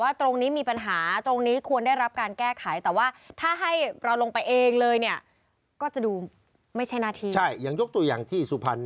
ว่าตรงนี้มีปัญหาตรงนี้ควรได้รับการแก้ไข